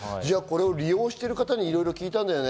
利用してる方にいろいろ聞いたんだよね？